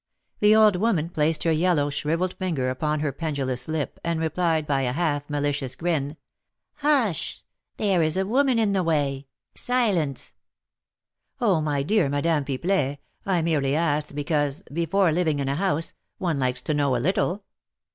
The old woman placed her yellow, shrivelled finger upon her pendulous lip, and replied, by a half malicious grin: "Hush! There is a woman in the way, silence!" "Oh, my dear Madame Pipelet, I merely asked because, before living in a house, one likes to know a little."